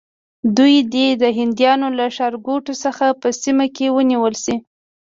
دوی دې د هندیانو له ښارګوټو څخه په سیمه کې ونیول شي.